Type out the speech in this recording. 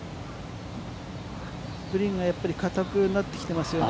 グリーンがやっぱりかたくなってきていますよね。